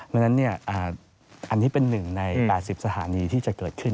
ดังนั้นอันนี้เป็นหนึ่งใน๘๐สถานีที่จะเกิดขึ้น